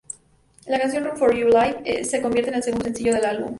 La canción Run for your life se convierte en el segundo sencillo del álbum.